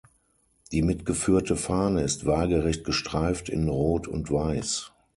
Die mitgeführte Fahne ist waagrecht gestreift in Rot und Weiß.